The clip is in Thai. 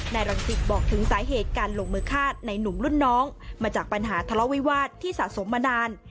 รังสิตบอกถึงสาเหตุการลงมือฆ่าในหนุ่มรุ่นน้องมาจากปัญหาทะเลาวิวาสที่สะสมมานาน